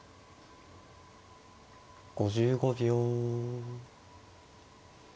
５５秒。